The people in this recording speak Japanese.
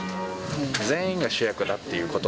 全員が主役だっていうこと。